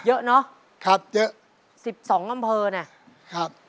เยอะเนอะครับเยอะสิบสองอำเภอน่ะครับ